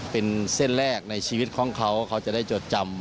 เป็นเส้นแรกในชีวิตของเขาเขาจะได้จดจำ